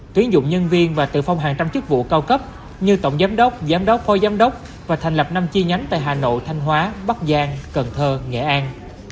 tuyến dụng nhân viên và tự phong hàng trăm chức vụ cao cấp như tổng giám đốc giám đốc phó giám đốc và thành lập năm chi nhánh tại hà nội thanh hóa bắc giang cần thơ nghệ an